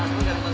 tadi kita lihat